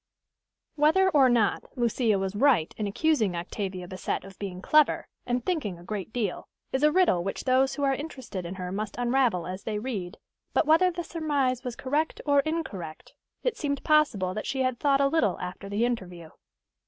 Whether, or not, Lucia was right in accusing Octavia Bassett of being clever, and thinking a great deal, is a riddle which those who are interested in her must unravel as they read; but, whether the surmise was correct or incorrect, it seemed possible that she had thought a little after the interview.